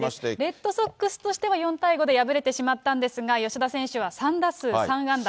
レッドソックスとしては、４対５で敗れてしまったんですが、吉田選手は３打数３安打。